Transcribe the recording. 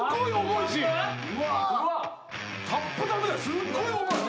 すっごい重いし。